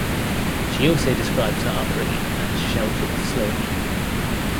She also describes her upbringing as "sheltered, Sloaney".